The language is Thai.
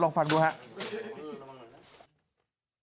ลองฟังดูครับ